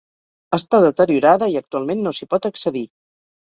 Està deteriorada i actualment no s'hi pot accedir.